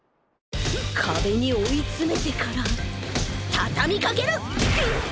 かべにおいつめてからたたみかける！